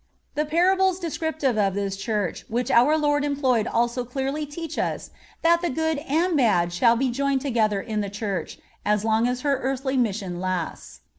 The parables descriptive of this Church which our Lord employed also clearly teach us that the good and bad shall be joined together in the Church as long as her earthly mission lasts.